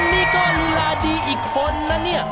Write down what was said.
นี่ก็ลีลาดีอีกคนนะเนี่ย